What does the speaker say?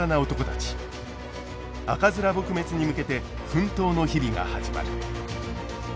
赤面撲滅に向けて奮闘の日々が始まる。